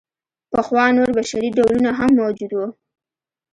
پخوا نور بشري ډولونه هم موجود وو.